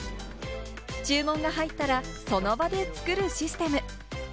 注文が入ったらその場で作るシステム。